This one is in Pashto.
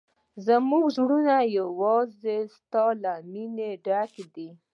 زموږ زړونه یوازې ستا له مینې ډک دي.